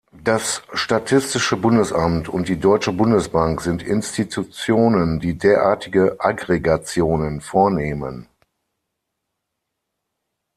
Das Statistische Bundesamt und die Deutsche Bundesbank sind Institutionen, die derartige Aggregationen vornehmen.